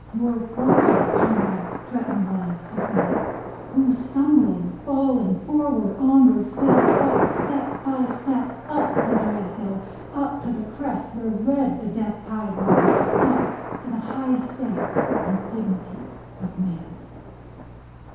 Your whiter comrades' threatened lives to save : Who, stumbling, falling, — forward, onward still, — Fought, step by step, up the dread hill. Up to the crest where red the death tide ran, — Up to the high estate and dignities of Man